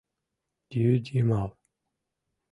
Йӱдйымал